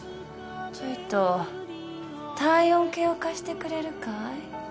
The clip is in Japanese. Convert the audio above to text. ちょいと体温計を貸してくれるかい？